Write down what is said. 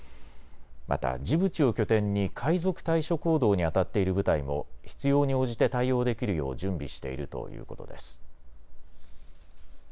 またジブチを拠点に海賊対処行動にあたっている部隊も必要に応じて対応できるよう準備しているということです。